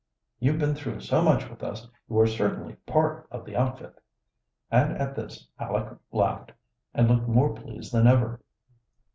"You've been through so much with us you are certainly part of the outfit." And at this Aleck laughed and looked more pleased than ever.